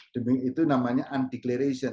demikian namanya undeclaration